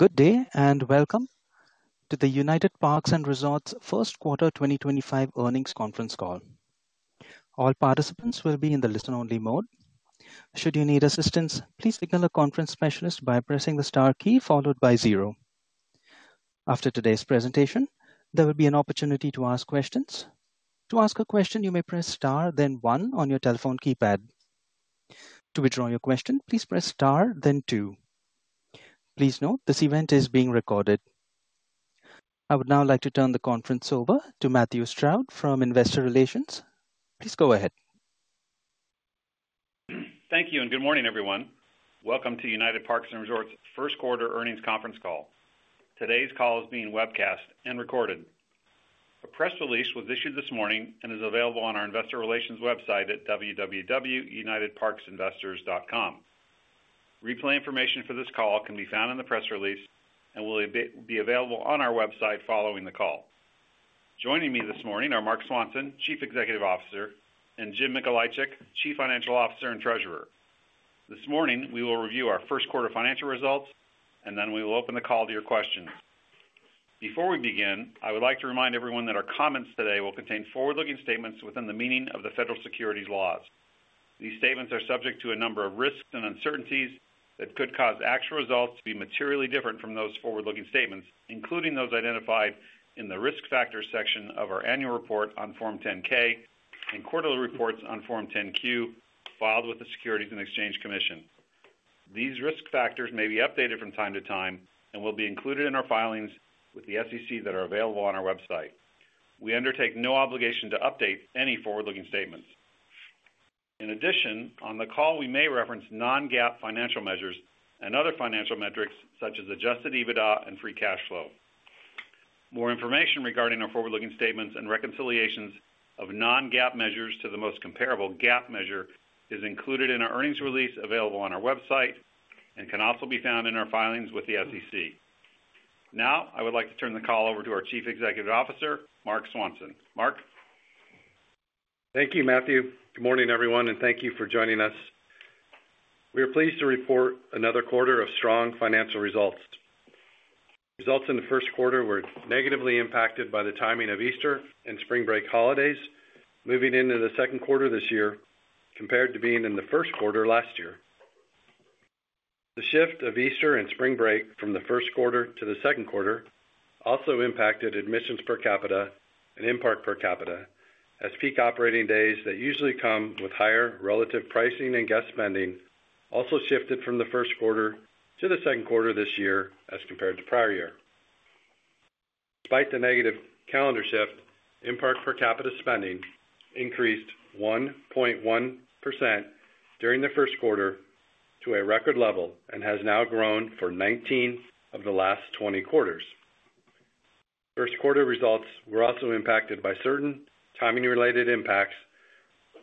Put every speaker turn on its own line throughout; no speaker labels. Good day and welcome to the United Parks & Resorts First Quarter 2025 Earnings Conference Call. All participants will be in the listen-only mode. Should you need assistance, please signal a conference specialist by pressing the star key followed by zero. After today's presentation, there will be an opportunity to ask questions. To ask a question, you may press star, then one, on your telephone keypad. To withdraw your question, please press star, then two. Please note, this event is being recorded. I would now like to turn the conference over to Matthew Stroud from investor relations. Please go ahead.
Thank you and good morning, everyone. Welcome to United Parks & Resorts First Quarter Earnings Conference Call. Today's call is being webcast and recorded. A press release was issued this morning and is available on our investor relations website at www.unitedparksinvestors.com. Replay information for this call can be found in the press release and will be available on our website following the call. Joining me this morning are Marc Swanson, Chief Executive Officer, and Jim Mikolaichik, Chief Financial Officer and Treasurer. This morning, we will review our first quarter financial results, and then we will open the call to your questions. Before we begin, I would like to remind everyone that our comments today will contain forward-looking statements within the meaning of the federal securities laws. These statements are subject to a number of risks and uncertainties that could cause actual results to be materially different from those forward-looking statements, including those identified in the risk factors section of our annual report on Form 10-K and quarterly reports on Form 10-Q filed with the Securities and Exchange Commission. These risk factors may be updated from time to time and will be included in our filings with the SEC that are available on our website. We undertake no obligation to update any forward-looking statements. In addition, on the call, we may reference non-GAAP financial measures and other financial metrics such as adjusted EBITDA and free cash flow. More information regarding our forward-looking statements and reconciliations of non-GAAP measures to the most comparable GAAP measure is included in our earnings release available on our website and can also be found in our filings with the SEC. Now, I would like to turn the call over to our Chief Executive Officer, Marc Swanson. Marc?
Thank you, Matthew. Good morning, everyone, and thank you for joining us. We are pleased to report another quarter of strong financial results. Results in the first quarter were negatively impacted by the timing of Easter and spring break holidays moving into the second quarter this year compared to being in the first quarter last year. The shift of Easter and spring break from the first quarter to the second quarter also impacted admissions per capita and in-park per capita as peak operating days that usually come with higher relative pricing and guest spending also shifted from the first quarter to the second quarter this year as compared to prior year. Despite the negative calendar shift, in-park per capita spending increased 1.1% during the first quarter to a record level and has now grown for 19 of the last 20 quarters. First quarter results were also impacted by certain timing-related impacts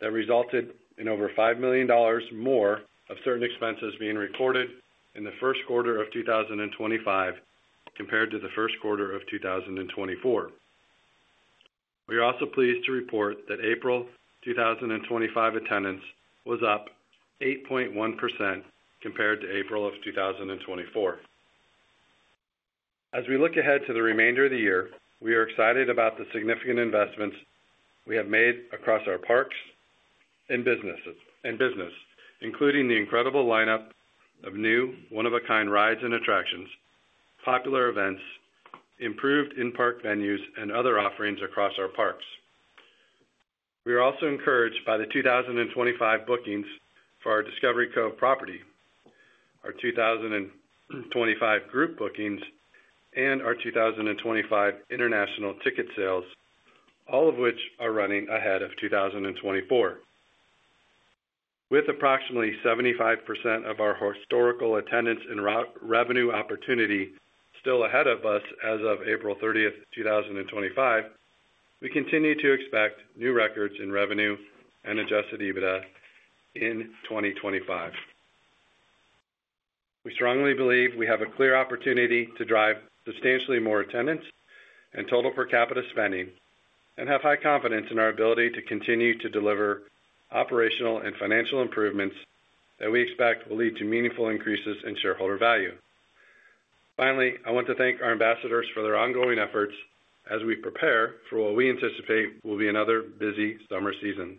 that resulted in over $5 million more of certain expenses being recorded in the first quarter of 2025 compared to the first quarter of 2024. We are also pleased to report that April 2025 attendance was up 8.1% compared to April of 2024. As we look ahead to the remainder of the year, we are excited about the significant investments we have made across our parks and business, including the incredible lineup of new one-of-a-kind rides and attractions, popular events, improved in-park venues, and other offerings across our parks. We are also encouraged by the 2025 bookings for our Discovery Cove property, our 2025 group bookings, and our 2025 international ticket sales, all of which are running ahead of 2024. With approximately 75% of our historical attendance and revenue opportunity still ahead of us as of April 30th, 2025, we continue to expect new records in revenue and adjusted EBITDA in 2025. We strongly believe we have a clear opportunity to drive substantially more attendance and total per capita spending and have high confidence in our ability to continue to deliver operational and financial improvements that we expect will lead to meaningful increases in shareholder value. Finally, I want to thank our ambassadors for their ongoing efforts as we prepare for what we anticipate will be another busy summer season.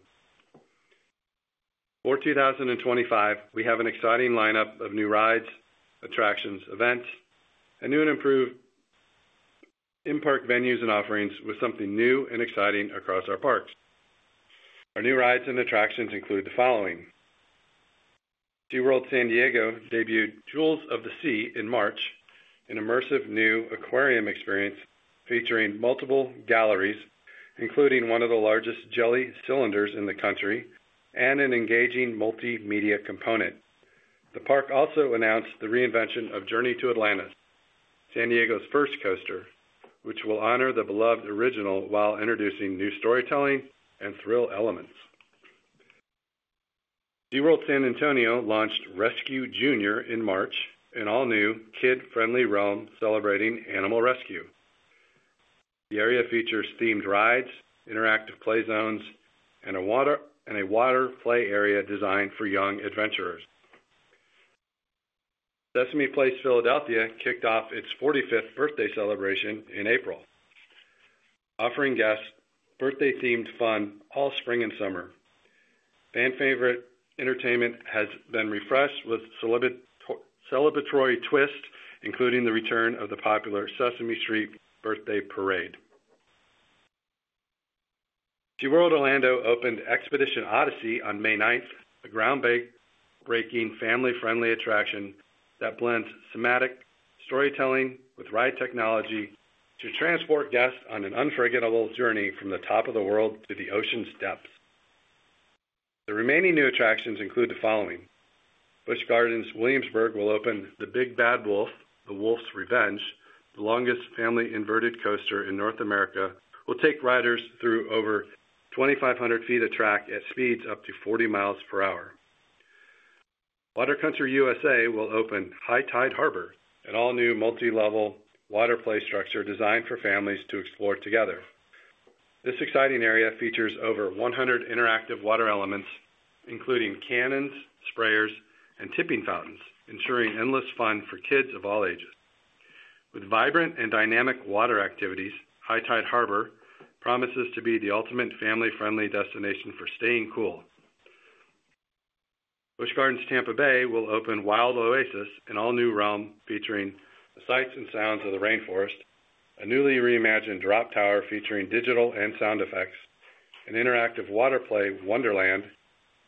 For 2025, we have an exciting lineup of new rides, attractions, events, and new and improved in-park venues and offerings with something new and exciting across our parks. Our new rides and attractions include the following. SeaWorld San Diego debuted Jewels of the Sea in March, an immersive new aquarium experience featuring multiple galleries, including one of the largest jelly cylinders in the country and an engaging multimedia component. The park also announced the reinvention of Journey to Atlantis, San Diego's first coaster, which will honor the beloved original while introducing new storytelling and thrill elements. SeaWorld San Antonio launched Rescue Jr. in March, an all-new kid-friendly realm celebrating animal rescue. The area features themed rides, interactive play zones, and a water play area designed for young adventurers. Sesame Place Philadelphia kicked off its 45th birthday celebration in April, offering guests birthday-themed fun all spring and summer. Fan-favorite entertainment has been refreshed with a celebratory twist, including the return of the popular Sesame Street Birthday Parade. SeaWorld Orlando opened Expedition Odyssey on May 9th, a groundbreaking family-friendly attraction that blends thematic storytelling with ride technology to transport guests on an unforgettable journey from the top of the world to the ocean's depths. The remaining new attractions include the following. Busch Gardens Williamsburg will open The Big Bad Wolf: The Wolf's Revenge, the longest family inverted coaster in North America, which will take riders through over 2,500 ft of track at speeds up to 40 mi per hour. Water Country USA will open High Tide Harbor, an all-new multi-level water play structure designed for families to explore together. This exciting area features over 100 interactive water elements, including cannons, sprayers, and tipping fountains, ensuring endless fun for kids of all ages. With vibrant and dynamic water activities, High Tide Harbor promises to be the ultimate family-friendly destination for staying cool. Busch Gardens Tampa Bay will open Wild Oasis, an all-new realm featuring the sights and sounds of the rainforest, a newly reimagined drop tower featuring digital and sound effects, an interactive water play wonderland,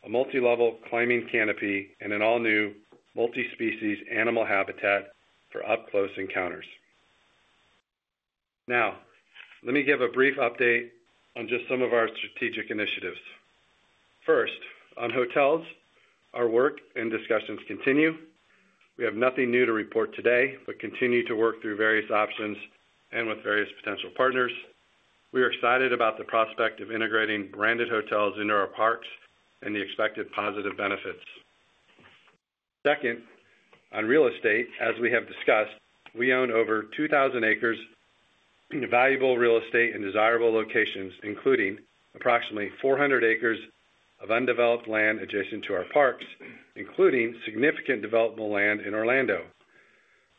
a multi-level climbing canopy, and an all-new multi-species animal habitat for up-close encounters. Now, let me give a brief update on just some of our strategic initiatives. First, on hotels, our work and discussions continue. We have nothing new to report today, but continue to work through various options and with various potential partners. We are excited about the prospect of integrating branded hotels into our parks and the expected positive benefits. Second, on real estate, as we have discussed, we own over 2,000 acres of valuable real estate in desirable locations, including approximately 400 acres of undeveloped land adjacent to our parks, including significant developmental land in Orlando.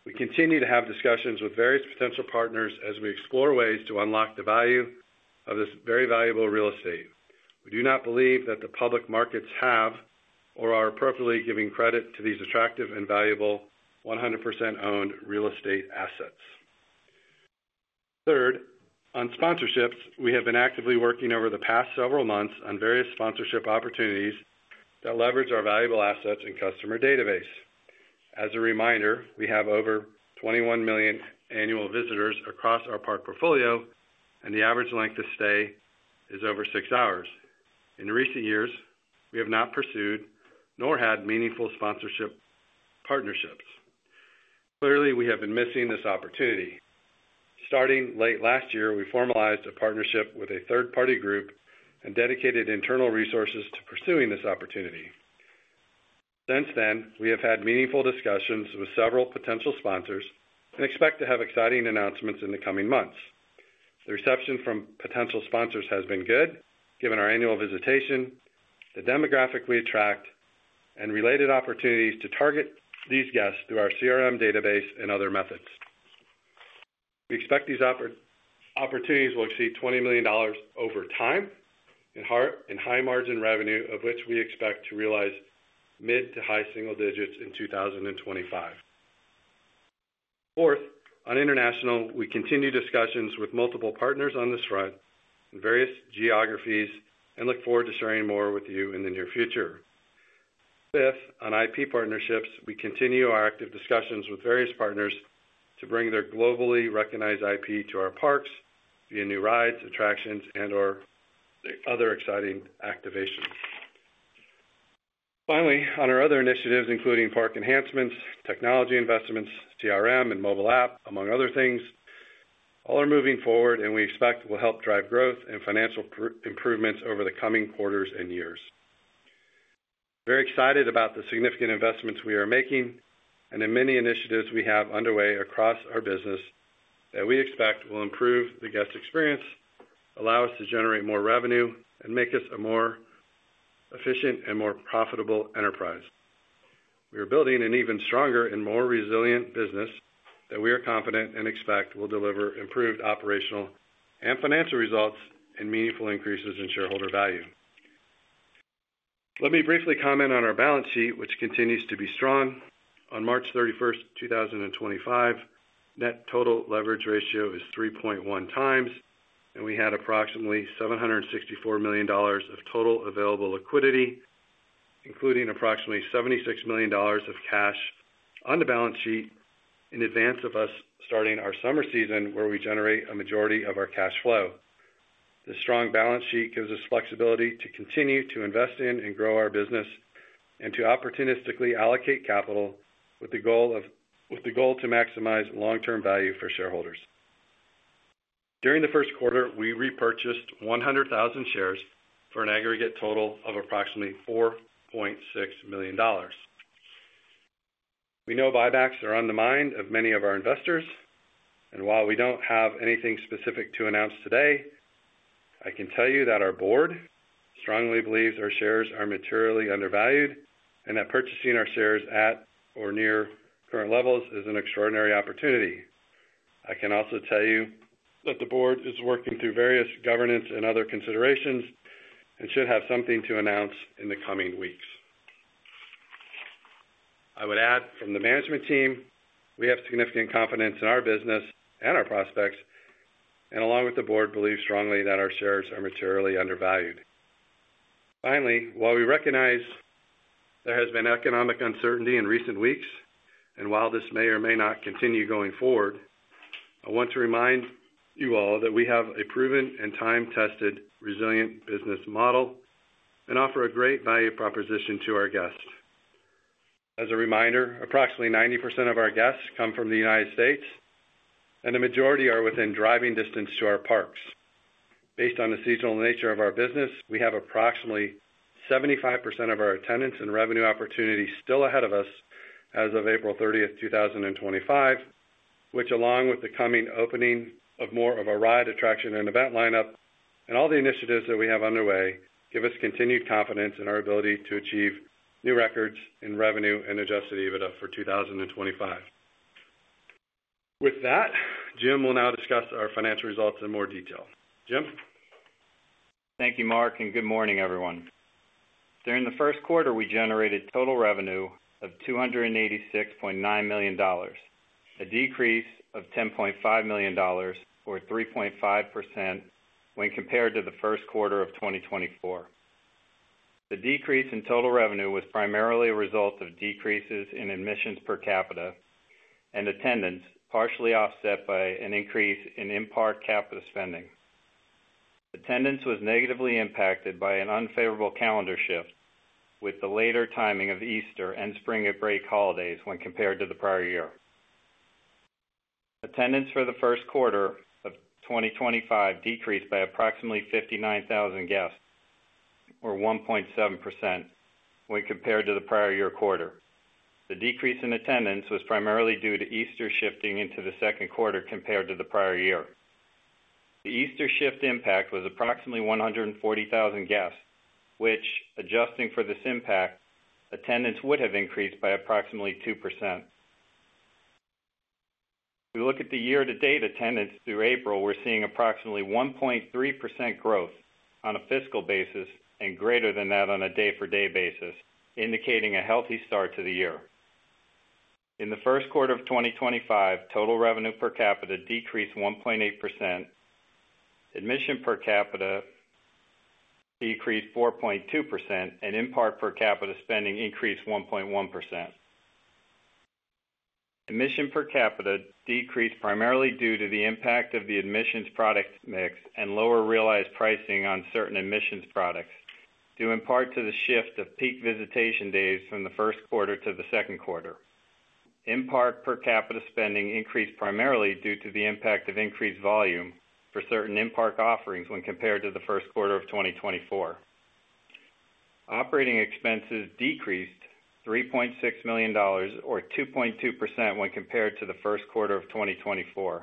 We continue to have discussions with various potential partners as we explore ways to unlock the value of this very valuable real estate. We do not believe that the public markets have or are appropriately giving credit to these attractive and valuable 100% owned real estate assets. Third, on sponsorships, we have been actively working over the past several months on various sponsorship opportunities that leverage our valuable assets and customer database. As a reminder, we have over 21 million annual visitors across our park portfolio, and the average length of stay is over six hours. In recent years, we have not pursued nor had meaningful sponsorship partnerships. Clearly, we have been missing this opportunity. Starting late last year, we formalized a partnership with a third-party group and dedicated internal resources to pursuing this opportunity. Since then, we have had meaningful discussions with several potential sponsors and expect to have exciting announcements in the coming months. The reception from potential sponsors has been good, given our annual visitation, the demographic we attract, and related opportunities to target these guests through our CRM database and other methods. We expect these opportunities will exceed $20 million over time and high margin revenue, of which we expect to realize mid to high single-digits in 2025. Fourth, on international, we continue discussions with multiple partners on this front in various geographies and look forward to sharing more with you in the near future. Fifth, on IP partnerships, we continue our active discussions with various partners to bring their globally recognized IP to our parks via new rides, attractions, and/or other exciting activations. Finally, on our other initiatives, including park enhancements, technology investments, CRM, and mobile app, among other things, all are moving forward, and we expect will help drive growth and financial improvements over the coming quarters and years. Very excited about the significant investments we are making and the many initiatives we have underway across our business that we expect will improve the guest experience, allow us to generate more revenue, and make us a more efficient and more profitable enterprise. We are building an even stronger and more resilient business that we are confident and expect will deliver improved operational and financial results and meaningful increases in shareholder value. Let me briefly comment on our balance sheet, which continues to be strong. On March 31st, 2025, net total leverage ratio is 3.1x, and we had approximately $764 million of total available liquidity, including approximately $76 million of cash on the balance sheet in advance of us starting our summer season, where we generate a majority of our cash flow. The strong balance sheet gives us flexibility to continue to invest in and grow our business and to opportunistically allocate capital with the goal to maximize long-term value for shareholders. During the first quarter, we repurchased 100,000 shares for an aggregate total of approximately $4.6 million. We know buybacks are on the mind of many of our investors, and while we do not have anything specific to announce today, I can tell you that our board strongly believes our shares are materially undervalued and that purchasing our shares at or near current levels is an extraordinary opportunity. I can also tell you that the board is working through various governance and other considerations and should have something to announce in the coming weeks. I would add, from the management team, we have significant confidence in our business and our prospects, and along with the board, believe strongly that our shares are materially undervalued. Finally, while we recognize there has been economic uncertainty in recent weeks, and while this may or may not continue going forward, I want to remind you all that we have a proven and time-tested resilient business model and offer a great value proposition to our guests. As a reminder, approximately 90% of our guests come from the United States, and the majority are within driving distance to our parks. Based on the seasonal nature of our business, we have approximately 75% of our attendance and revenue opportunities still ahead of us as of April 30th, 2025, which, along with the coming opening of more of a ride attraction and event lineup and all the initiatives that we have underway, give us continued confidence in our ability to achieve new records in revenue and adjusted EBITDA for 2025. With that, Jim will now discuss our financial results in more detail. Jim.
Thank you, Marc, and good morning, everyone. During the first quarter, we generated total revenue of $286.9 million, a decrease of $10.5 million or 3.5% when compared to the first quarter of 2024. The decrease in total revenue was primarily a result of decreases in admissions per capita and attendance, partially offset by an increase in in-park per capita spending. Attendance was negatively impacted by an unfavorable calendar shift, with the later timing of Easter and spring break holidays when compared to the prior year. Attendance for the first quarter of 2025 decreased by approximately 59,000 guests or 1.7% when compared to the prior year quarter. The decrease in attendance was primarily due to Easter shifting into the second quarter compared to the prior year. The Easter shift impact was approximately 140,000 guests, which, adjusting for this impact, attendance would have increased by approximately 2%. We look at the year-to-date attendance through April, we're seeing approximately 1.3% growth on a fiscal basis and greater than that on a day-for-day basis, indicating a healthy start to the year. In the first quarter of 2025, total revenue per capita decreased 1.8%, admission per capita decreased 4.2%, and in-park per capita spending increased 1.1%. Admission per capita decreased primarily due to the impact of the admissions product mix and lower realized pricing on certain admissions products, due in part to the shift of peak visitation days from the first quarter to the second quarter. In-park per capita spending increased primarily due to the impact of increased volume for certain in-park offerings when compared to the first quarter of 2024. Operating expenses decreased $3.6 million or 2.2% when compared to the first quarter of 2024.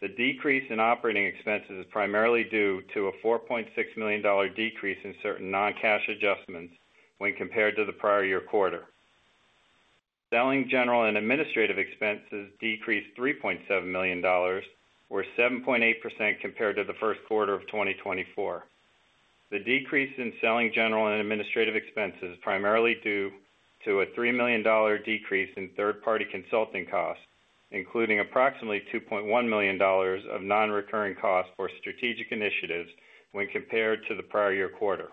The decrease in operating expenses is primarily due to a $4.6 million decrease in certain non-cash adjustments when compared to the prior year quarter. Selling, general and administrative expenses decreased $3.7 million or 7.8% compared to the first quarter of 2024. The decrease in selling, general and administrative expenses is primarily due to a $3 million decrease in third-party consulting costs, including approximately $2.1 million of non-recurring costs for strategic initiatives when compared to the prior year quarter.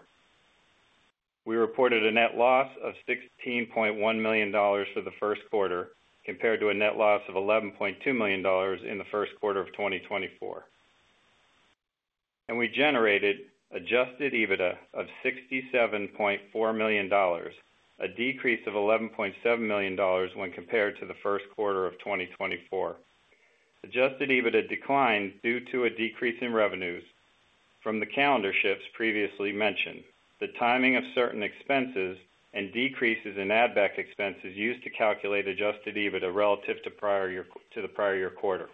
We reported a net loss of $16.1 million for the first quarter compared to a net loss of $11.2 million in the first quarter of 2024. We generated adjusted EBITDA of $67.4 million, a decrease of $11.7 million when compared to the first quarter of 2024. Adjusted EBITDA declined due to a decrease in revenues from the calendar shifts previously mentioned, the timing of certain expenses, and decreases in add-back expenses used to calculate adjusted EBITDA relative to the prior year quarter.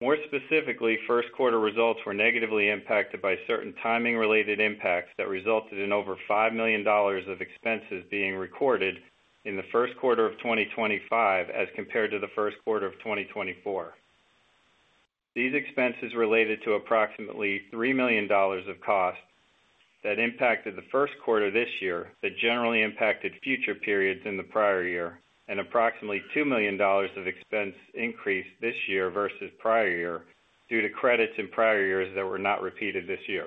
More specifically, first quarter results were negatively impacted by certain timing-related impacts that resulted in over $5 million of expenses being recorded in the first quarter of 2025 as compared to the first quarter of 2024. These expenses related to approximately $3 million of costs that impacted the first quarter this year that generally impacted future periods in the prior year, and approximately $2 million of expense increase this year versus prior year due to credits in prior years that were not repeated this year.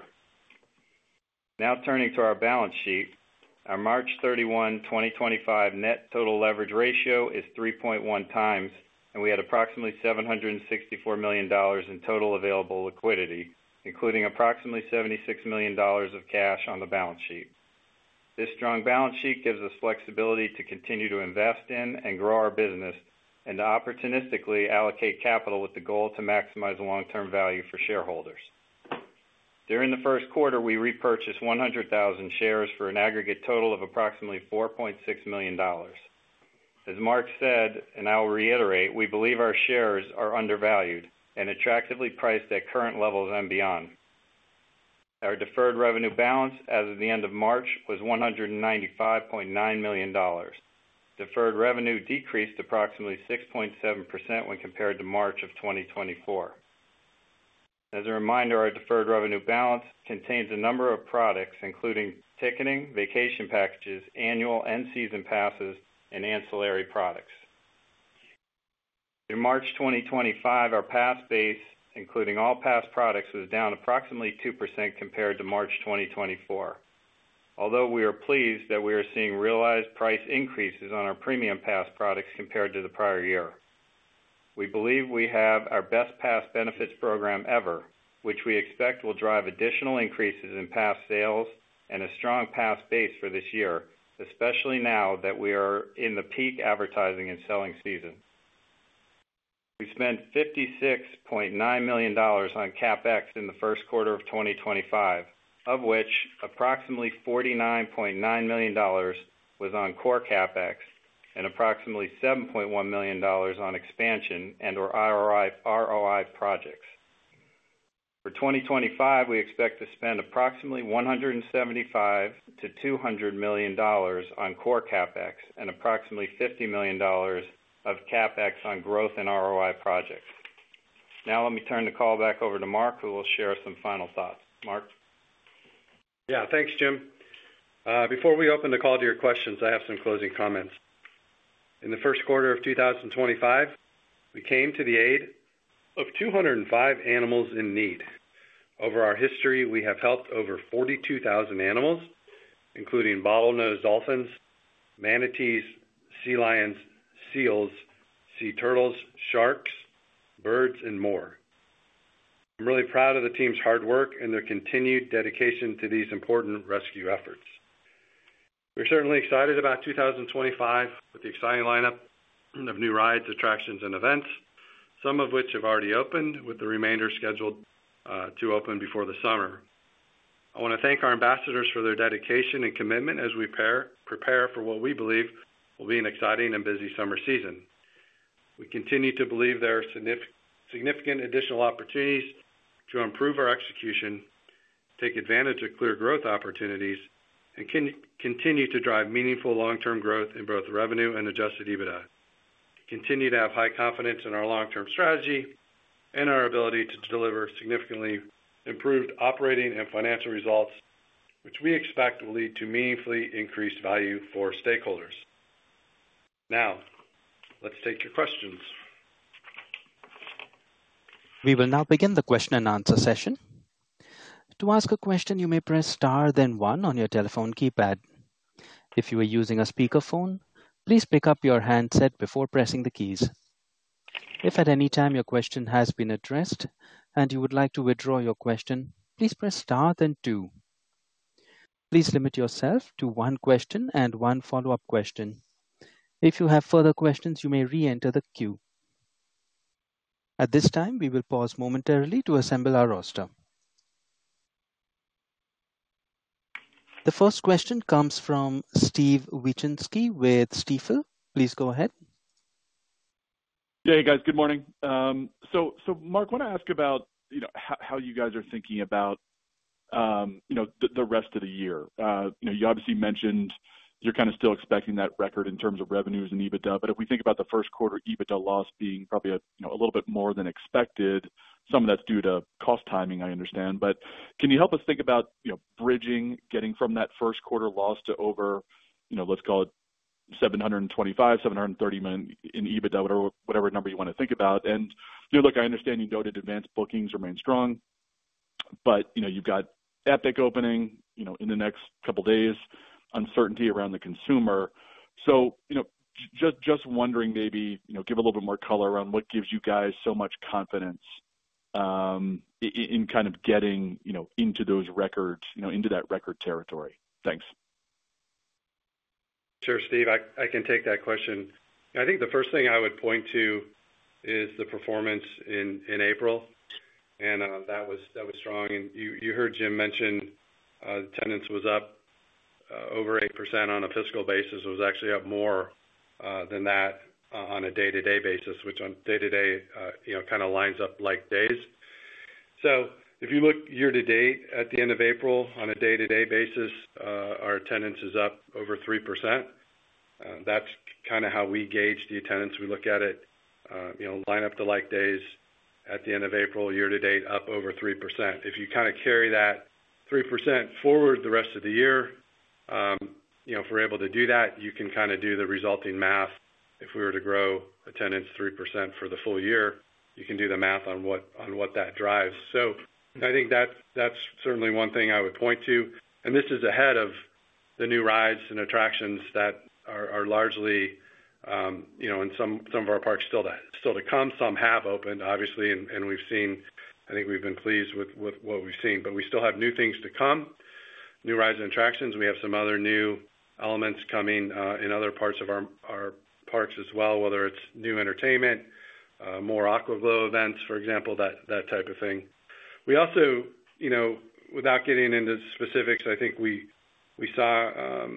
Now turning to our balance sheet, our March 31, 2025 net total leverage ratio is 3.1x, and we had approximately $764 million in total available liquidity, including approximately $76 million of cash on the balance sheet. This strong balance sheet gives us flexibility to continue to invest in and grow our business and to opportunistically allocate capital with the goal to maximize long-term value for shareholders. During the first quarter, we repurchased 100,000 shares for an aggregate total of approximately $4.6 million. As Marc said, and I'll reiterate, we believe our shares are undervalued and attractively priced at current levels and beyond. Our deferred revenue balance as of the end of March was $195.9 million. Deferred revenue decreased approximately 6.7% when compared to March of 2024. As a reminder, our deferred revenue balance contains a number of products, including ticketing, vacation packages, annual and season passes, and ancillary products. In March 2025, our pass base, including all pass products, was down approximately 2% compared to March 2024, although we are pleased that we are seeing realized price increases on our premium pass products compared to the prior year. We believe we have our best pass benefits program ever, which we expect will drive additional increases in pass sales and a strong pass base for this year, especially now that we are in the peak advertising and selling season. We spent $56.9 million on CapEx in the first quarter of 2025, of which approximately $49.9 million was on core CapEx and approximately $7.1 million on expansion and/or ROI projects. For 2025, we expect to spend approximately $175-$200 million on core CapEx and approximately $50 million of CapEx on growth and ROI projects. Now let me turn the call back over to Marc, who will share some final thoughts.
Yeah, thanks, Jim. Before we open the call to your questions, I have some closing comments. In the first quarter of 2025, we came to the aid of 205 animals in need. Over our history, we have helped over 42,000 animals, including bottle-nosed dolphins, manatees, sea lions, seals, sea turtles, sharks, birds, and more. I'm really proud of the team's hard work and their continued dedication to these important rescue efforts. We're certainly excited about 2025 with the exciting lineup of new rides, attractions, and events, some of which have already opened, with the remainder scheduled to open before the summer. I want to thank our ambassadors for their dedication and commitment as we prepare for what we believe will be an exciting and busy summer season. We continue to believe there are significant additional opportunities to improve our execution, take advantage of clear growth opportunities, and continue to drive meaningful long-term growth in both revenue and adjusted EBITDA. We continue to have high confidence in our long-term strategy and our ability to deliver significantly improved operating and financial results, which we expect will lead to meaningfully increased value for stakeholders. Now, let's take your questions.
We will now begin the question and answer session. To ask a question, you may press star then one on your telephone keypad. If you are using a speakerphone, please pick up your handset before pressing the keys. If at any time your question has been addressed and you would like to withdraw your question, please press star then two. Please limit yourself to one question and one follow-up question. If you have further questions, you may re-enter the queue. At this time, we will pause momentarily to assemble our roster. The first question comes from Steve Wieczynski with Stifel. Please go ahead.
Yeah, hey guys, good morning. Marc, I want to ask about, you know, how you guys are thinking about, you know, the rest of the year. You obviously mentioned you're kind of still expecting that record in terms of revenues and EBITDA, but if we think about the first quarter EBITDA loss being probably a little bit more than expected, some of that's due to cost timing, I understand, but can you help us think about, you know, bridging, getting from that first quarter loss to over, you know, let's call it $725-$730 million in EBITDA, whatever number you want to think about? You know, look, I understand you noted advanced bookings remain strong, but, you know, you've got Epic opening in the next couple of days, uncertainty around the consumer. You know, just wondering maybe, you know, give a little bit more color around what gives you guys so much confidence in kind of getting, you know, into those records, you know, into that record territory. Thanks.
Sure, Steve, I can take that question. I think the first thing I would point to is the performance in April, and that was strong. You heard Jim mention attendance was up over 8% on a fiscal basis. It was actually up more than that on a day-to-day basis, which on day-to-day, you know, kind of lines up like days. If you look year-to-date at the end of April, on a day-to-day basis, our attendance is up over 3%. That's kind of how we gauge the attendance. We look at it, you know, line up to like days at the end of April, year-to-date, up over 3%. If you kind of carry that 3% forward the rest of the year, you know, if we're able to do that, you can kind of do the resulting math. If we were to grow attendance 3% for the full year, you can do the math on what that drives. I think that's certainly one thing I would point to. This is ahead of the new rides and attractions that are largely, you know, in some of our parks still to come. Some have opened, obviously, and we've seen, I think we've been pleased with what we've seen, but we still have new things to come, new rides and attractions. We have some other new elements coming in other parts of our parks as well, whether it's new entertainment, more AquaGlow events, for example, that type of thing. We also, you know, without getting into specifics, I think we saw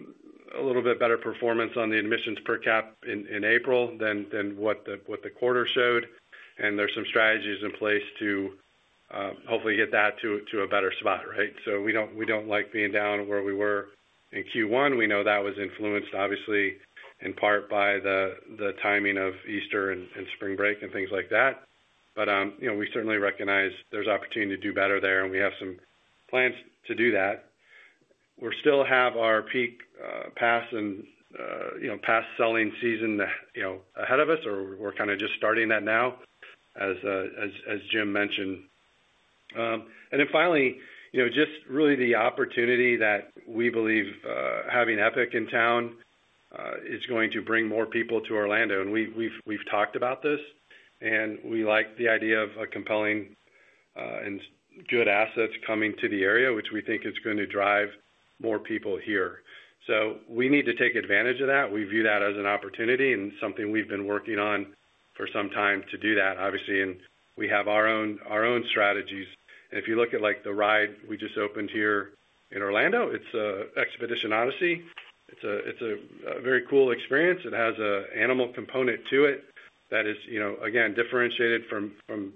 a little bit better performance on the admissions per capita in April than what the quarter showed, and there's some strategies in place to hopefully get that to a better spot, right? We do not like being down where we were in Q1. We know that was influenced, obviously, in part by the timing of Easter and spring break and things like that. You know, we certainly recognize there's opportunity to do better there, and we have some plans to do that. We still have our peak pass and, you know, pass selling season, you know, ahead of us, or we're kind of just starting that now, as Jim mentioned. Finally, you know, just really the opportunity that we believe having Epic in town is going to bring more people to Orlando. We have talked about this, and we like the idea of compelling and good assets coming to the area, which we think is going to drive more people here. We need to take advantage of that. We view that as an opportunity and something we have been working on for some time to do that, obviously, and we have our own strategies. If you look at like the ride we just opened here in Orlando, it is Expedition Odyssey. It is a very cool experience. It has an animal component to it that is, you know, again, differentiated from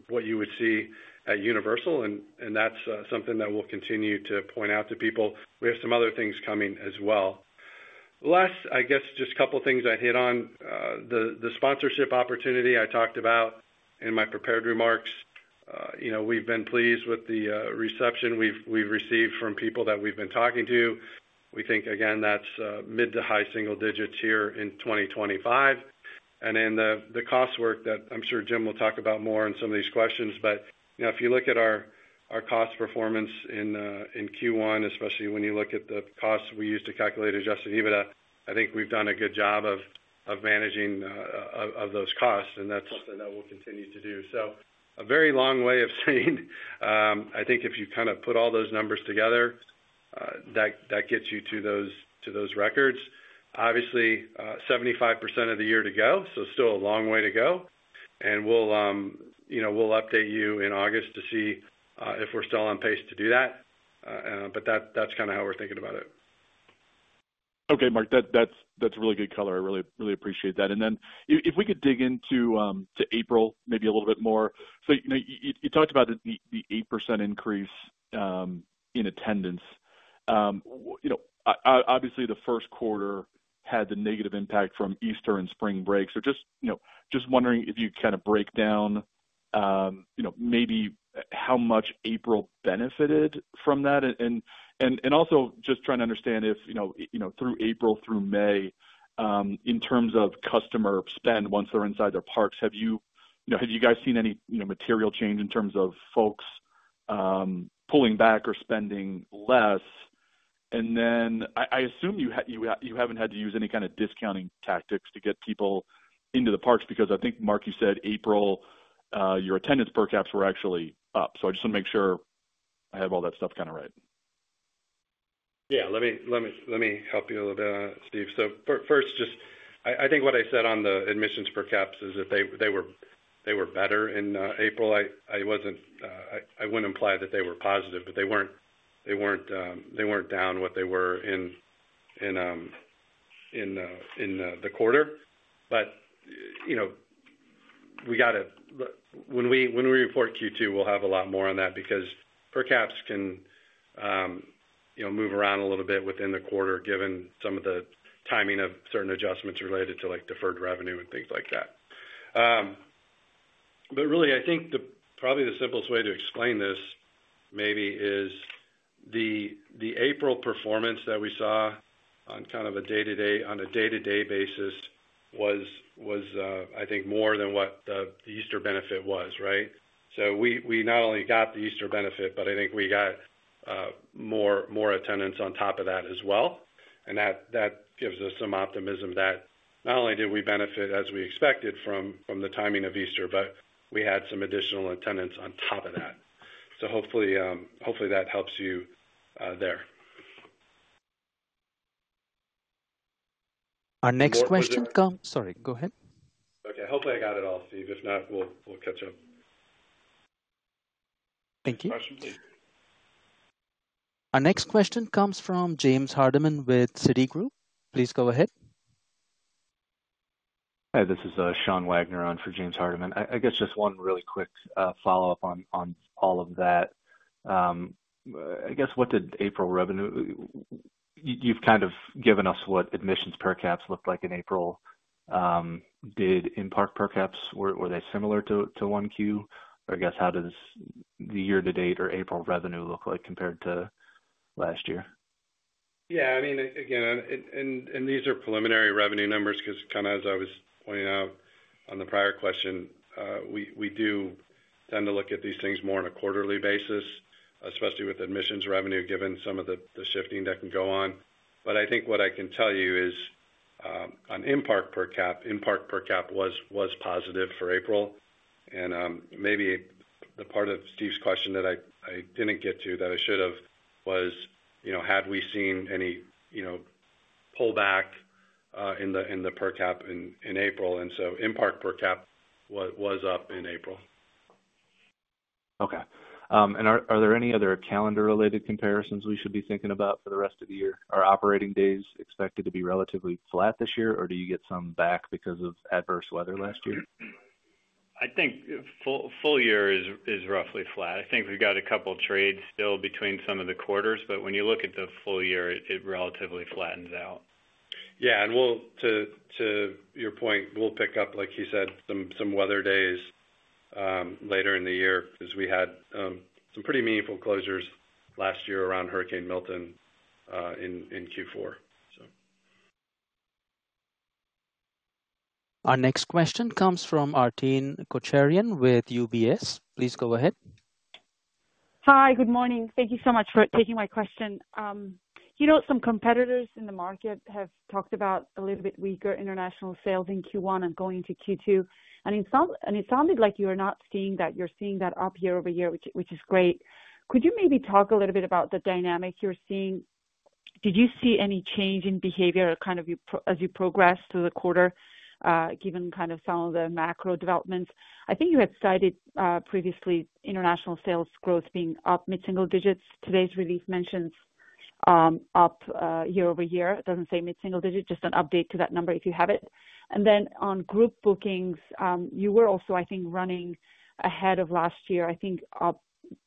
what you would see at Universal, and that's something that we'll continue to point out to people. We have some other things coming as well. Last, I guess, just a couple of things I hit on. The sponsorship opportunity I talked about in my prepared remarks, you know, we've been pleased with the reception we've received from people that we've been talking to. We think, again, that's mid to high single-digits here in 2025. Then the cost work that I'm sure Jim will talk about more in some of these questions, but, you know, if you look at our cost performance in Q1, especially when you look at the costs we use to calculate adjusted EBITDA, I think we've done a good job of managing those costs, and that's something that we'll continue to do. A very long way of saying, I think if you kind of put all those numbers together, that gets you to those records. Obviously, 75% of the year to go, so still a long way to go. We'll, you know, we'll update you in August to see if we're still on pace to do that, but that's kind of how we're thinking about it.
Okay, Marc, that's really good color. I really appreciate that. If we could dig into April, maybe a little bit more. You talked about the 8% increase in attendance. Obviously, the first quarter had the negative impact from Easter and spring break. Just wondering if you could break down maybe how much April benefited from that. Also just trying to understand if, through April, through May, in terms of customer spend, once they're inside the parks, have you guys seen any material change in terms of folks pulling back or spending less? I assume you haven't had to use any kind of discounting tactics to get people into the parks because I think, Marc, you said April, your attendance per caps were actually up. I just want to make sure I have all that stuff kind of right.
Yeah, let me help you a little bit, Steve. First, just I think what I said on the admissions per caps is that they were better in April. I would not imply that they were positive, but they were not down what they were in the quarter. You know, we got to, when we report Q2, we will have a lot more on that because per caps can, you know, move around a little bit within the quarter given some of the timing of certain adjustments related to like deferred revenue and things like that. Really, I think probably the simplest way to explain this maybe is the April performance that we saw on kind of a day-to-day basis was, I think, more than what the Easter benefit was, right? So we not only got the Easter benefit, but I think we got more attendance on top of that as well. That gives us some optimism that not only did we benefit as we expected from the timing of Easter, but we had some additional attendance on top of that. Hopefully that helps you there.
Our next question comes—sorry, go ahead.
Okay, hopefully I got it all, Steve. If not, we'll catch up. Thank you. Question, please.
Our next question comes from James Hardiman with Citigroup. Please go ahead.
Hi, this is Sean Wagner on for James Hardiman. I guess just one really quick follow-up on all of that. I guess what did April revenue—you've kind of given us what admissions per caps looked like in April. Did in-park per caps, were they similar to 1Q? Or I guess how does the year-to-date or April revenue look like compared to last year?
Yeah, I mean, again, and these are preliminary revenue numbers because kind of as I was pointing out on the prior question, we do tend to look at these things more on a quarterly basis, especially with admissions revenue given some of the shifting that can go on. I think what I can tell you is on in-park per cap, in-park per cap was positive for April. Maybe the part of Steve's question that I didn't get to that I should have was, you know, had we seen any, you know, pullback in the per cap in April. In-park per cap was up in April.
Okay. Are there any other calendar-related comparisons we should be thinking about for the rest of the year? Are operating days expected to be relatively flat this year, or do you get some back because of adverse weather last year?
I think full year is roughly flat. I think we've got a couple of trades still between some of the quarters, but when you look at the full year, it relatively flattens out.
Yeah, to your point, we'll pick up, like he said, some weather days later in the year because we had some pretty meaningful closures last year around Hurricane Milton in Q4.
Our next question comes from Arpiné Kocharyan with UBS. Please go ahead.
Hi, good morning. Thank you so much for taking my question. You know, some competitors in the market have talked about a little bit weaker international sales in Q1 and going into Q2. And it sounded like you are not seeing that. You're seeing that up year over year, which is great. Could you maybe talk a little bit about the dynamic you're seeing? Did you see any change in behavior kind of as you progressed through the quarter, given kind of some of the macro developments? I think you had cited previously international sales growth being up mid-single-digits. Toay's release mentions up year-over-year. It does not say mid-single-digit, just an update to that number if you have it. And then on group bookings, you were also, I think, running ahead of last year, I think, up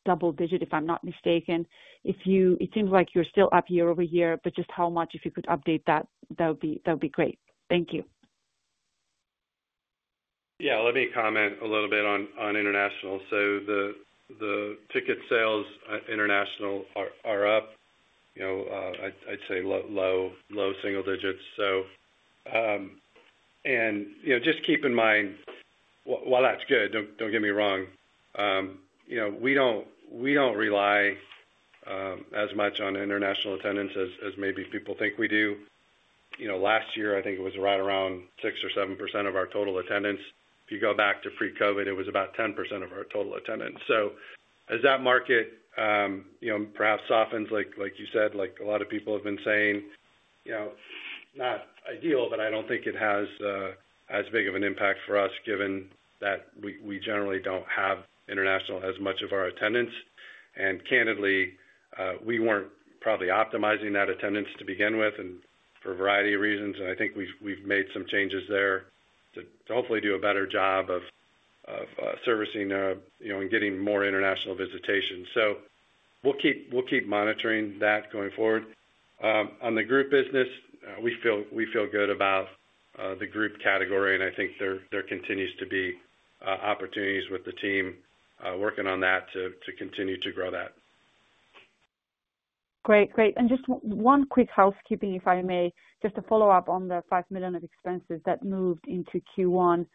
double-digit if I'm not mistaken. It seems like you're still up year-over-year, but just how much, if you could update that, that would be great. Thank you.
Yeah, let me comment a little bit on international. The ticket sales international are up, you know, I'd say low single-digits. So, and you know, just keep in mind, while that's good, don't get me wrong, you know, we don't rely as much on international attendance as maybe people think we do. You know, last year, I think it was right around 6% or 7% of our total attendance. If you go back to pre-COVID, it was about 10% of our total attendance. So as that market, you know, perhaps softens, like you said, like a lot of people have been saying, you know, not ideal, but I don't think it has as big of an impact for us given that we generally don't have international as much of our attendance. And candidly, we weren't probably optimizing that attendance to begin with and for a variety of reasons. I think we've made some changes there to hopefully do a better job of servicing and getting more international visitation. We'll keep monitoring that going forward. On the group business, we feel good about the group category, and I think there continues to be opportunities with the team working on that to continue to grow that.
Great, great. Just one quick housekeeping, if I may, just to follow up on the $5 million of expenses that moved into Q1.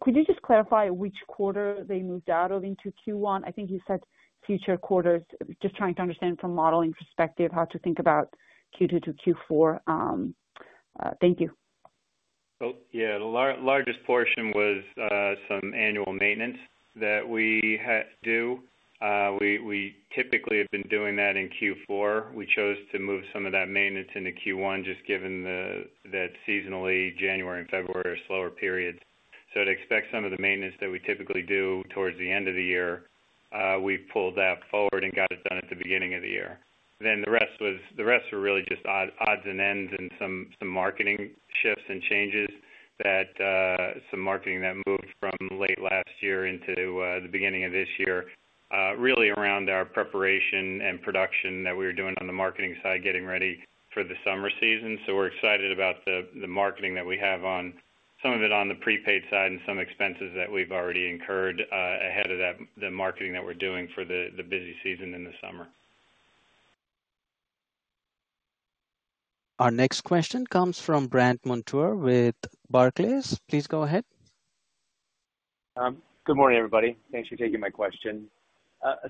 Could you just clarify which quarter they moved out of into Q1? I think you said future quarters. Just trying to understand from a modeling perspective how to think about Q2-Q4. Thank you.
Oh, yeah, the largest portion was some annual maintenance that we do. We typically have been doing that in Q4. We chose to move some of that maintenance into Q1 just given that seasonally, January and February are slower periods. To expect some of the maintenance that we typically do towards the end of the year, we've pulled that forward and got it done at the beginning of the year. The rest were really just odds and ends and some marketing shifts and changes, some marketing that moved from late last year into the beginning of this year, really around our preparation and production that we were doing on the marketing side, getting ready for the summer season. We're excited about the marketing that we have on some of it on the prepaid side and some expenses that we've already incurred ahead of the marketing that we're doing for the busy season in the summer.
Our next question comes from Brandt Montour with Barclays. Please go ahead.
Good morning, everybody. Thanks for taking my question.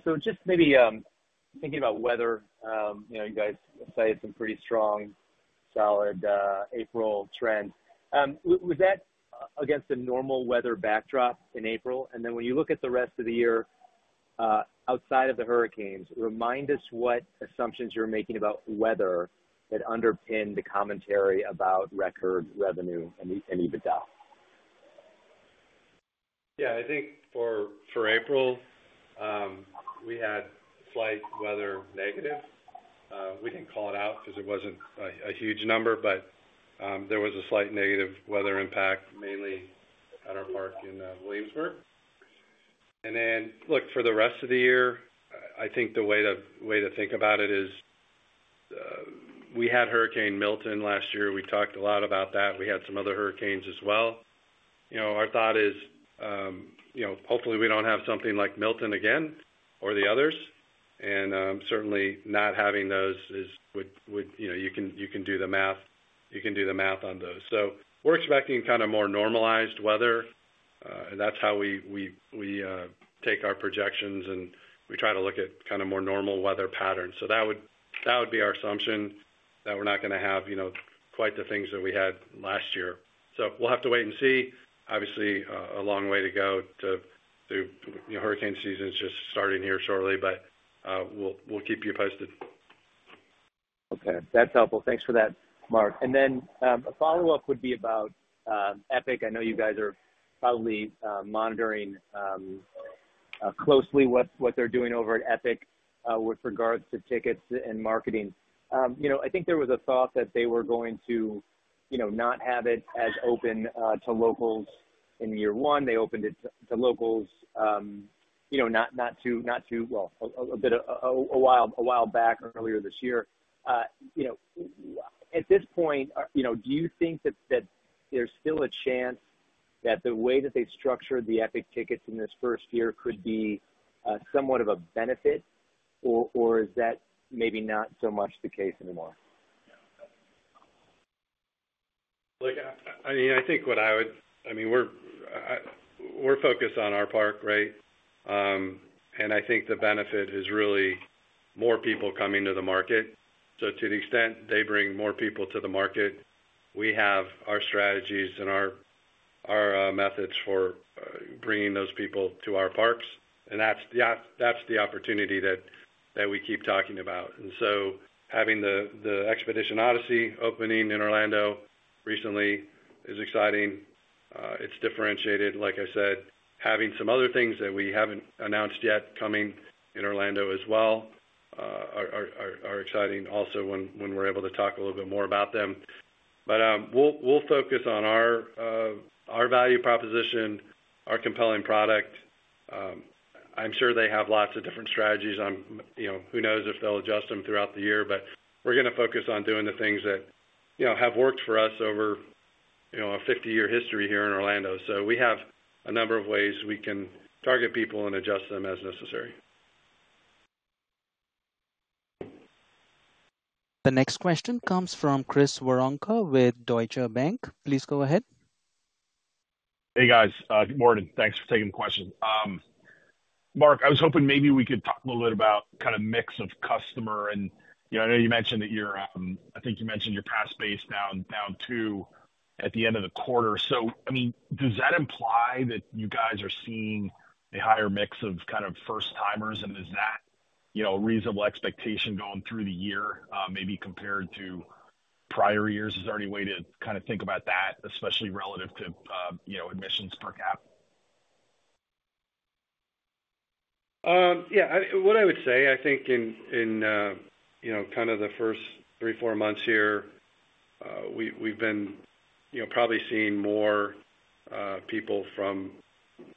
So just maybe thinking about weather, you know, you guys cited some pretty strong, solid April trends. Was that against a normal weather backdrop in April? And then when you look at the rest of the year outside of the hurricanes, remind us what assumptions you're making about weather that underpin the commentary about record revenue and EBITDA?
Yeah, I think for April, we had slight weather negative. We did not call it out because it was not a huge number, but there was a slight negative weather impact mainly at our park in Williamsburg. Then, look, for the rest of the year, I think the way to think about it is we had Hurricane Milton last year. We talked a lot about that. We had some other hurricanes as well. You know, our thought is, you know, hopefully we do not have something like Milton again or the others. Certainly not having those would, you know, you can do the math. You can do the math on those. We are expecting kind of more normalized weather. That is how we take our projections and we try to look at kind of more normal weather patterns. That would be our assumption that we are not going to have, you know, quite the things that we had last year. We will have to wait and see. Obviously, a long way to go to hurricane season is just starting here shortly, but we will keep you posted.
Okay, that is helpful. Thanks for that, Marc. A follow-up would be about Epic. I know you guys are probably monitoring closely what they are doing over at Epic with regards to tickets and marketing. You know, I think there was a thought that they were going to, you know, not have it as open to locals in year one. They opened it to locals, you know, not too, well, a bit a while back earlier this year. You know, at this point, you know, do you think that there's still a chance that the way that they structured the Epic tickets in this first year could be somewhat of a benefit, or is that maybe not so much the case anymore?
Look, I mean, I think what I would, I mean, we're focused on our park, right? I think the benefit is really more people coming to the market. To the extent they bring more people to the market, we have our strategies and our methods for bringing those people to our parks. That's the opportunity that we keep talking about. Having the Expedition Odyssey opening in Orlando recently is exciting. It's differentiated, like I said, having some other things that we haven't announced yet coming in Orlando as well are exciting also when we're able to talk a little bit more about them. We'll focus on our value proposition, our compelling product. I'm sure they have lots of different strategies. You know, who knows if they'll adjust them throughout the year, but we're going to focus on doing the things that, you know, have worked for us over a 50-year history here in Orlando. We have a number of ways we can target people and adjust them as necessary.
The next question comes from Chris Woronka with Deutsche Bank. Please go ahead.
Hey guys, good morning. Thanks for taking the question. Marc, I was hoping maybe we could talk a little bit about kind of mix of customer and, you know, I know you mentioned that you're, I think you mentioned your pass base down to at the end of the quarter. So, I mean, does that imply that you guys are seeing a higher mix of kind of first-timers? And is that, you know, a reasonable expectation going through the year maybe compared to prior years? Is there any way to kind of think about that, especially relative to, you know, admissions per cap?
Yeah, what I would say, I think in, you know, kind of the first three, four months here, we've been, you know, probably seeing more people from,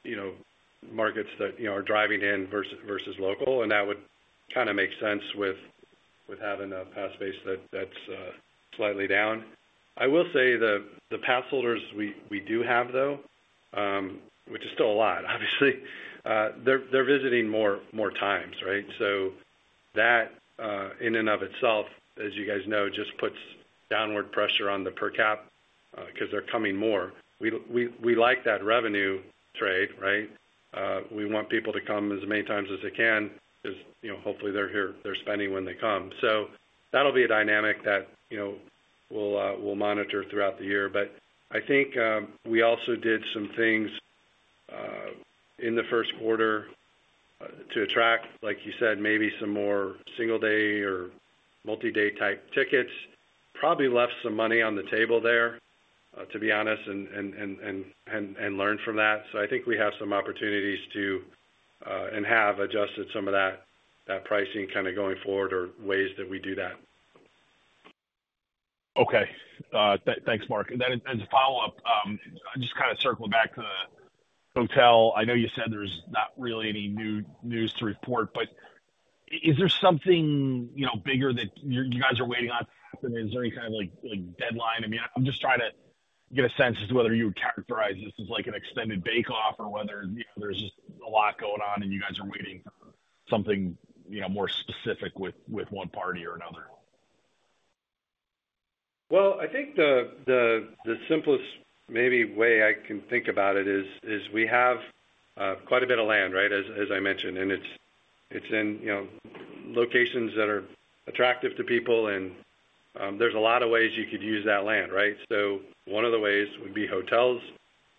you know, markets that, you know, are driving in versus local. And that would kind of make sense with having a pass base that's slightly down. I will say the pass holders we do have, though, which is still a lot, obviously, they're visiting more times, right? That in and of itself, as you guys know, just puts downward pressure on the per cap because they're coming more. We like that revenue trade, right? We want people to come as many times as they can because, you know, hopefully they're spending when they come. That will be a dynamic that, you know, we'll monitor throughout the year. I think we also did some things in the first quarter to attract, like you said, maybe some more single-day or multi-day type tickets, probably left some money on the table there, to be honest, and learned from that. I think we have some opportunities to and have adjusted some of that pricing kind of going forward or ways that we do that.
Okay. Thanks, Marc. As a follow-up, just kind of circling back to the hotel, I know you said there's not really any news to report, but is there something, you know, bigger that you guys are waiting on? Is there any kind of like deadline? I mean, I'm just trying to get a sense as to whether you would characterize this as like an extended bake-off or whether, you know, there's just a lot going on and you guys are waiting for something, you know, more specific with one party or another.
I think the simplest maybe way I can think about it is we have quite a bit of land, right, as I mentioned, and it's in, you know, locations that are attractive to people and there's a lot of ways you could use that land, right? One of the ways would be hotels.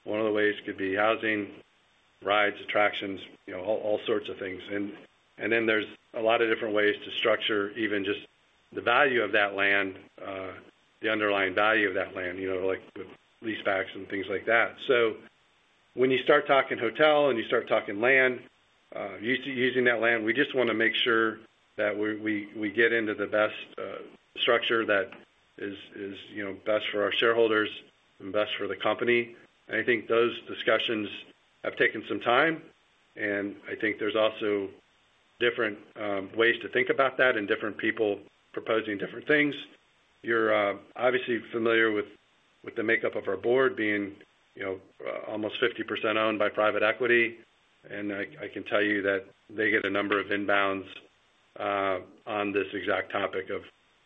One of the ways could be housing, rides, attractions, you know, all sorts of things. There are a lot of different ways to structure even just the value of that land, the underlying value of that land, you know, like with lease packs and things like that. When you start talking hotel and you start talking land, using that land, we just want to make sure that we get into the best structure that is, you know, best for our shareholders and best for the company. I think those discussions have taken some time. I think there are also different ways to think about that and different people proposing different things. You're obviously familiar with the makeup of our board being, you know, almost 50% owned by private equity. I can tell you that they get a number of inbounds on this exact topic of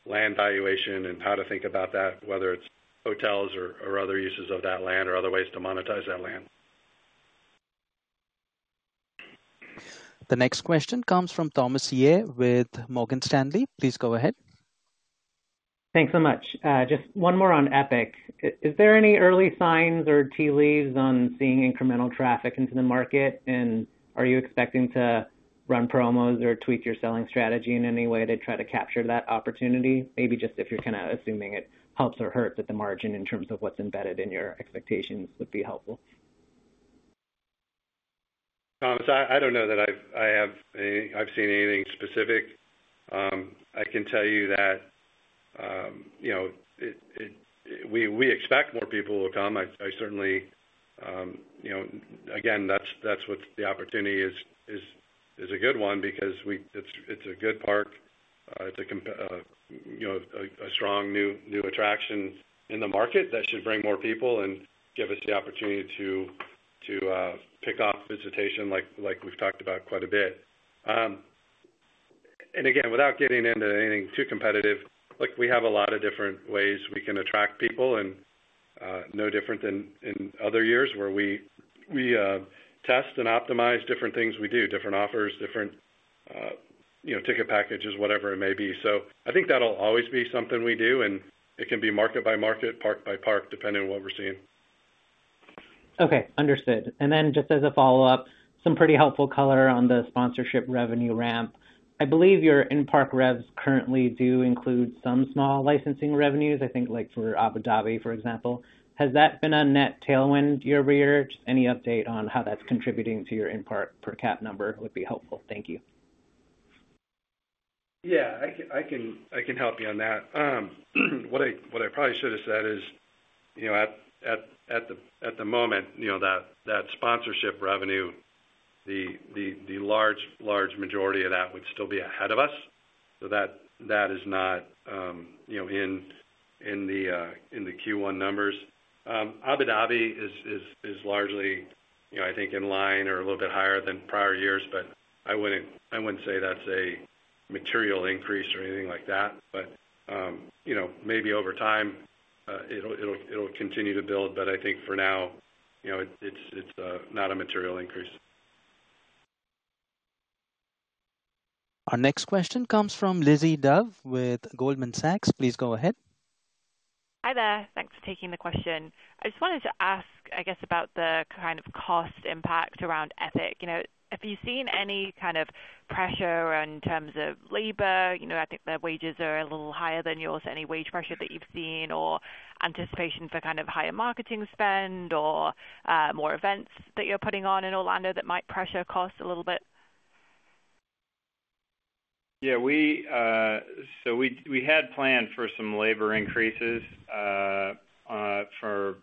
land valuation and how to think about that, whether it's hotels or other uses of that land or other ways to monetize that land.
The next question comes from Thomas Yeh with Morgan Stanley. Please go ahead.
Thanks so much. Just one more on Epic. Is there any early signs or tea leaves on seeing incremental traffic into the market? And are you expecting to run promos or tweak your selling strategy in any way to try to capture that opportunity? Maybe just if you're kind of assuming it helps or hurts at the margin in terms of what's embedded in your expectations would be helpful.
Thomas, I don't know that I have seen anything specific. I can tell you that, you know, we expect more people will come. I certainly, you know, again, that's what the opportunity is a good one because it's a good park. It's a, you know, a strong new attraction in the market that should bring more people and give us the opportunity to pick off visitation like we've talked about quite a bit. Again, without getting into anything too competitive, look, we have a lot of different ways we can attract people and no different than in other years where we test and optimize different things we do, different offers, different, you know, ticket packages, whatever it may be. I think that'll always be something we do and it can be market by market, park by park, depending on what we're seeing.
Okay, understood. And then just as a follow-up, some pretty helpful color on the sponsorship revenue ramp. I believe your in-park revs currently do include some small licensing revenues, I think like for Abu Dhabi, for example. Has that been a net tailwind year-over-year? Just any update on how that's contributing to your in-park per cap number would be helpful. Thank you.
Yeah, I can help you on that. What I probably should have said is, you know, at the moment, you know, that sponsorship revenue, the large, large majority of that would still be ahead of us. That is not, you know, in the Q1 numbers. Abu Dhabi is largely, you know, I think in line or a little bit higher than prior years, but I would not say that's a material increase or anything like that. You know, maybe over time it will continue to build, but I think for now, you know, it's not a material increase.
Our next question comes from Lizzie Dove with Goldman Sachs. Please go ahead.
Hi there. Thanks for taking the question. I just wanted to ask, I guess, about the kind of cost impact around Epic. You know, have you seen any kind of pressure in terms of labor? You know, I think the wages are a little higher than yours. Any wage pressure that you've seen or anticipation for kind of higher marketing spend or more events that you're putting on in Orlando that might pressure costs a little bit?
Yeah, we had planned for some labor increases for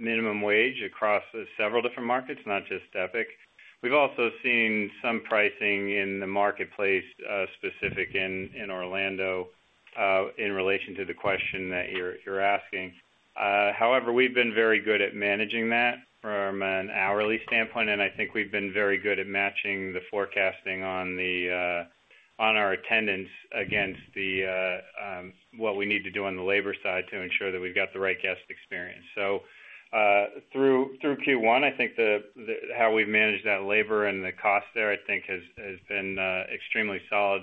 minimum wage across several different markets, not just Epic. We've also seen some pricing in the marketplace specific in Orlando in relation to the question that you're asking. However, we've been very good at managing that from an hourly standpoint, and I think we've been very good at matching the forecasting on our attendance against what we need to do on the labor side to ensure that we've got the right guest experience. Through Q1, I think how we've managed that labor and the cost there, I think, has been extremely solid.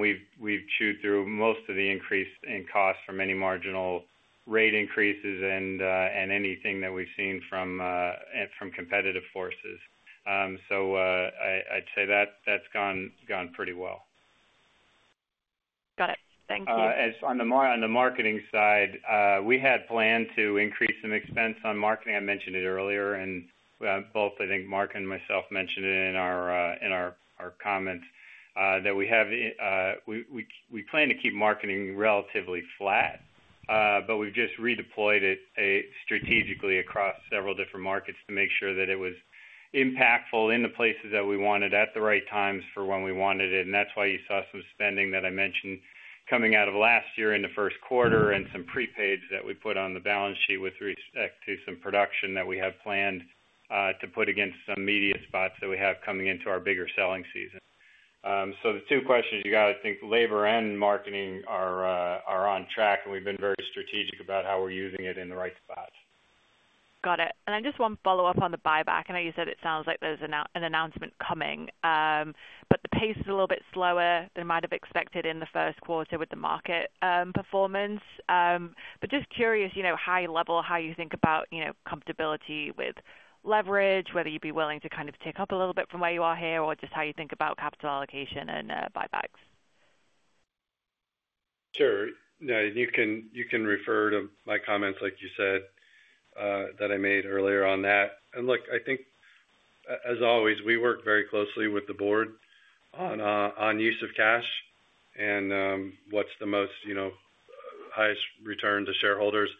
We've chewed through most of the increase in cost from any marginal rate increases and anything that we've seen from competitive forces. I'd say that's gone pretty well.
Got it. Thank you.
On the marketing side, we had planned to increase some expense on marketing. I mentioned it earlier, and both, I think, Marc and myself mentioned it in our comments that we plan to keep marketing relatively flat, but we have just redeployed it strategically across several different markets to make sure that it was impactful in the places that we wanted at the right times for when we wanted it. That is why you saw some spending that I mentioned coming out of last year in the first quarter and some prepaid that we put on the balance sheet with respect to some production that we have planned to put against some media spots that we have coming into our bigger selling season. The two questions, you have to think labor and marketing are on track, and we have been very strategic about how we are using it in the right spots.
Got it. I just want to follow up on the buyback. I know you said it sounds like there's an announcement coming, but the pace is a little bit slower than might have expected in the first quarter with the market performance. Just curious, you know, high level, how you think about, you know, comfortability with leverage, whether you'd be willing to kind of tick up a little bit from where you are here or just how you think about capital allocation and buybacks.
Sure. You can refer to my comments, like you said, that I made earlier on that. I think, as always, we work very closely with the board on use of cash and what's the most, you know, highest return to shareholders.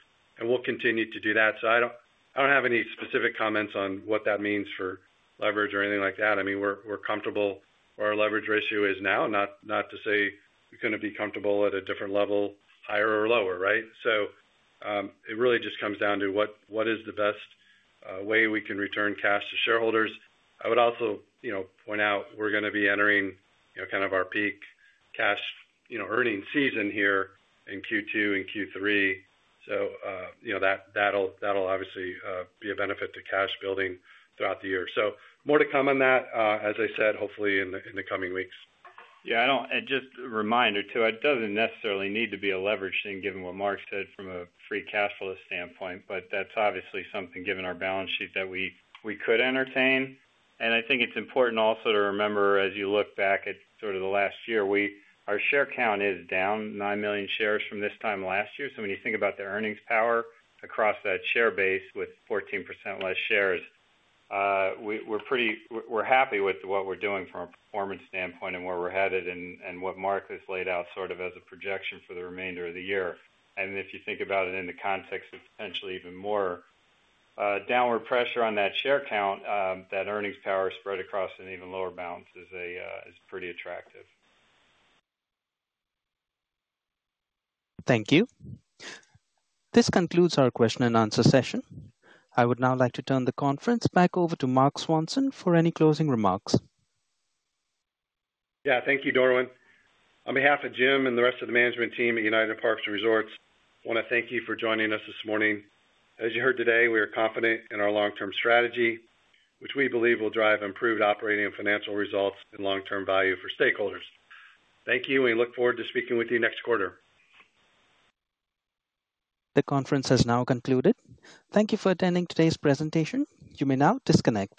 We'll continue to do that. I don't have any specific comments on what that means for leverage or anything like that. I mean, we're comfortable where our leverage ratio is now, not to say we're going to be comfortable at a different level, higher or lower, right? It really just comes down to what is the best way we can return cash to shareholders. I would also, you know, point out we're going to be entering, you know, kind of our peak cash, you know, earning season here in Q2 and Q3. That'll obviously be a benefit to cash building throughout the year. More to come on that, as I said, hopefully in the coming weeks.
Yeah, and just a reminder too, it doesn't necessarily need to be a leverage thing given what Marc said from a free cash flow standpoint, but that's obviously something given our balance sheet that we could entertain. I think it's important also to remember as you look back at sort of the last year, our share count is down 9 million shares from this time last year. When you think about the earnings power across that share base with 14% less shares, we're happy with what we're doing from a performance standpoint and where we're headed and what Marc has laid out sort of as a projection for the remainder of the year. If you think about it in the context of potentially even more downward pressure on that share count, that earnings power spread across an even lower balance is pretty attractive.
Thank you. This concludes our question and answer session. I would now like to turn the conference back over to Marc Swanson for any closing remarks.
Thank you, Dorwin. On behalf of Jim and the rest of the management team at United Parks & Resorts, I want to thank you for joining us this morning. As you heard today, we are confident in our long-term strategy, which we believe will drive improved operating and financial results and long-term value for stakeholders. Thank you, and we look forward to speaking with you next quarter.
The conference has now concluded. Thank you for attending today's presentation. You may now disconnect.